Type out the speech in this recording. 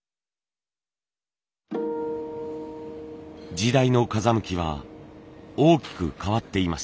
時代の風向きは大きく変わっていました。